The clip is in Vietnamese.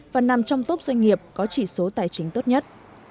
và nằm trong top doanh nghiệp có chỉ số tài chính tốt nhất